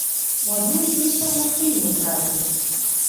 У адну і тую самую хвіліну трапілі.